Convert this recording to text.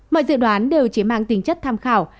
mọi dự đoán đều chỉ mang tính chất tham khảo